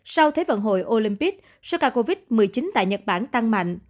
sau thế vận hội olympic số ca covid một mươi chín tại nhật bản tăng mạnh